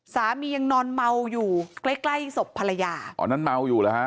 ยังนอนเมาอยู่ใกล้ใกล้ศพภรรยาอ๋อนั้นเมาอยู่แล้วฮะ